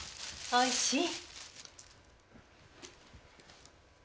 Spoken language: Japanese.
おいしい？